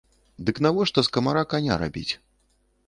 Дык навошта з камара каня рабіць?